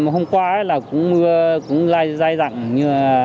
hôm qua cũng dài dặn